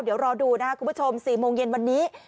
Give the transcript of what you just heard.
เดี๋ยวรอดูนะครับคุณผู้ชม๔โมงเย็นวันนี้